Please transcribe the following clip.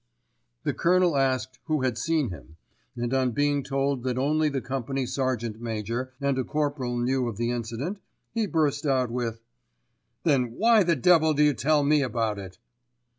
The Colonel asked who had seen him, and on being told that only the company sergeant major and a corporal knew of the incident, he burst out with: "Then why the devil do you tell me about it?"